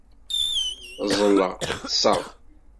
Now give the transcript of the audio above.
Ẓẓleɣ, ṭṭseɣ.